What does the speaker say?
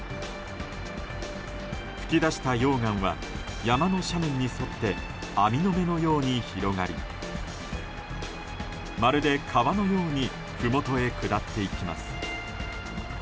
噴き出した溶岩は山の斜面に沿って網の目のように広がりまるで川のようにふもとへ下っていきます。